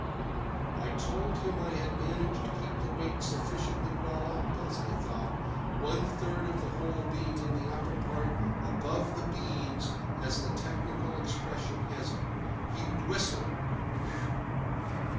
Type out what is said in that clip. I told him I had managed to keep the weight sufficiently well up, as I thought, one third of the whole being in the upper part "above the beams," as the technical expression has it. He whistled "Phew!"